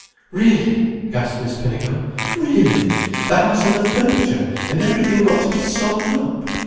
"Really!" gasped Miss Pinnegar. "Really! The house and the furniture and everything got to be sold up?